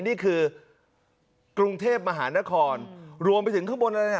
นี่คือกรุงเทพมหานครรวมไปถึงข้างบนอะไรน่ะ